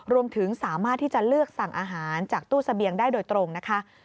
รวมถึงสามารถที่จะเลือกสั่งอาหารจากตู้เสบียงได้โดยตรงนะคะ